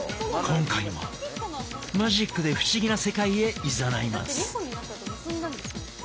今回もマジックで不思議な世界へいざないます！